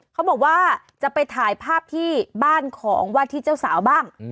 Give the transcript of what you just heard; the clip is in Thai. เขาบอกว่าจะไปถ่ายภาพที่บ้านของวาดที่เจ้าสาวบ้าง